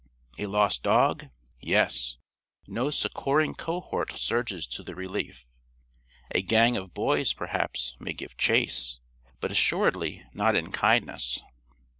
A lost dog? Yes. No succoring cohort surges to the relief. A gang of boys, perhaps, may give chase, but assuredly not in kindness.